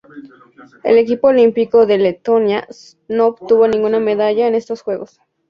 El equipo olímpico de Letonia no obtuvo ninguna medalla en estos Juegos.